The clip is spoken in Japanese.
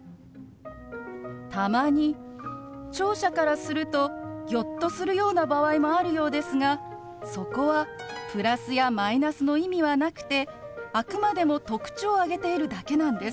たまに聴者からするとギョッとするような場合もあるようですがそこはプラスやマイナスの意味はなくてあくまでも特徴を挙げているだけなんです。